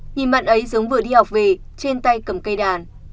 nhìn mặn ấy giống vừa đi học về trên tay cầm cây đàn